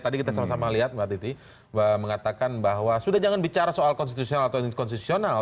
tadi kita sama sama lihat mbak titi mengatakan bahwa sudah jangan bicara soal konstitusional atau inkonstitusional